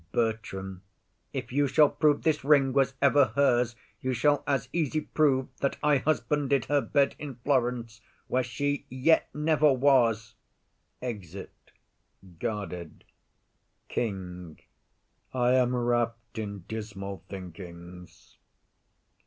BERTRAM. If you shall prove This ring was ever hers, you shall as easy Prove that I husbanded her bed in Florence, Where she yet never was. [Exit, guarded.] KING. I am wrapp'd in dismal thinkings.